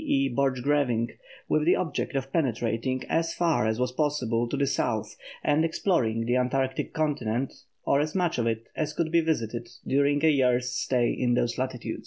E. Borchgrevinck, with the object of penetrating as far as was possible to the south and exploring the Antarctic continent, or as much of it as could be visited during a year's stay in those latitudes.